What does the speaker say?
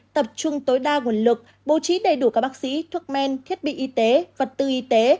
tập trung tối đa nguồn lực bố trí đầy đủ các bác sĩ thuốc men thiết bị y tế vật tư y tế